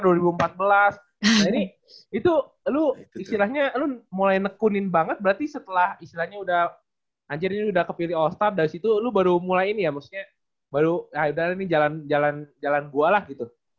jadi itu lu istilahnya lu mulai nekunin banget berarti setelah istilahnya udah anjir ini udah kepilih all star dari situ lu baru mulai ini ya maksudnya baru ini jalan jalan gua lah gitu